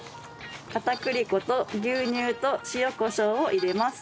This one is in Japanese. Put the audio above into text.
片栗粉と牛乳と塩コショウを入れます。